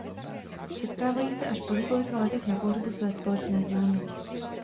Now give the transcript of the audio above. Setkávají se až po několika letech na pohřbu své společné známé.